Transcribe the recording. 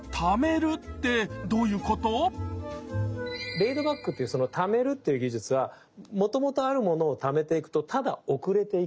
レイドバックっていうその「タメる」っていう技術はもともとあるものをタメていくとただ遅れていくになる。